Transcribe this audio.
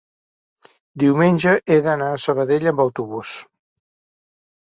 diumenge he d'anar a Sabadell amb autobús.